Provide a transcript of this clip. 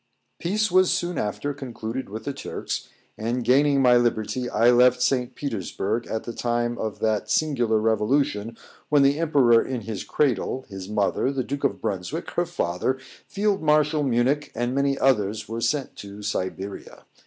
Peace was soon after concluded with the Turks, and gaining my liberty, I left St. Petersburg at the time of that singular revolution, when the emperor in his cradle, his mother, the Duke of Brunswick, her father, Field Marshal Munich, and many others were sent to Siberia.